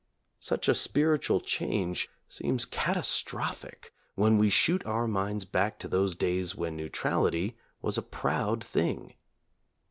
Such a spiritual change seems catastrophic when we shoot our minds back to those days when neu trality was a proud thing.